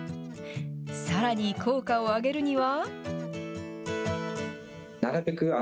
さらに効果を上げるには。